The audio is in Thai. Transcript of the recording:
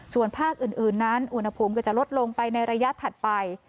ส่วนภาคอื่นนั้นอุณหภูมิก็จะลดลงไปในระยะถัดไป